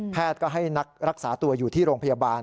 แพทย์ก็ให้รักษาตัวอยู่ที่โรงพยาบาล